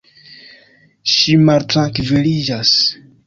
Ŝi maltrankviliĝas.